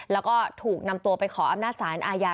แล้วก็ถูกนำตัวไปขออำนาจศาลอาญา